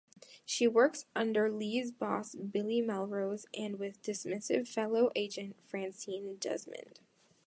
She works under Lee's boss Billy Melrose and with dismissive fellow agent Francine Desmond.